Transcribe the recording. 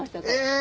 え